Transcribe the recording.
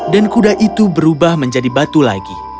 dan kuda itu berubah menjadi batu lagi